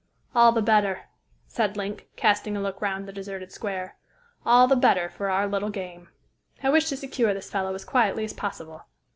"All the better," said Link, casting a look round the deserted square; "all the better for our little game. I wish to secure this fellow as quietly as possible.